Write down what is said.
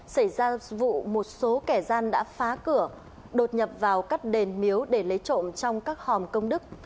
xảy ra vụ một số kẻ gian đã phá cửa đột nhập vào các đền miếu để lấy trộm trong các hòm công đức